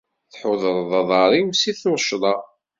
Tḥudreḍ aḍar-iw si tuccḍa.